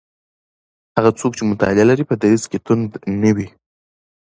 هغه څوک چي مطالعه لري په دریځ کي توند نه وي.